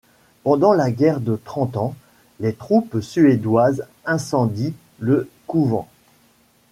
Pendant la guerre de Trente Ans, les troupes suédoises incendient le couvent.